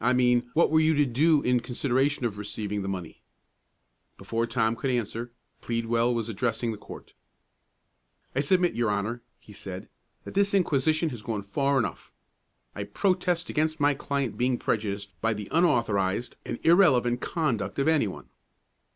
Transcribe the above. "I mean what were you to do in consideration of receiving the money?" Before Tom could answer, Pleadwell was addressing the court: "I submit, your Honor," he said, "that this inquisition has gone far enough. I protest against my client being prejudiced by the unauthorized and irrelevant conduct of any one."